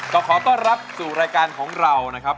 ก็ขอต้อนรับสู่รายการของเรานะครับ